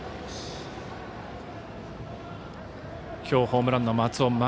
きょうホームランの松尾。